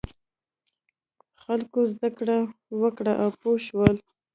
خلکو زده کړه وکړه او پوه شول.